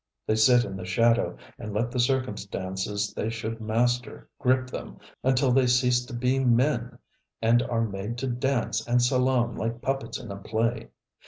They sit in the shadow and let the circumstances they should master grip them, until they cease to be Men, and are made to dance and salaam like puppets in a play.